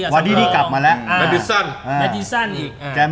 วาดี้ดีกลับมาแล้ว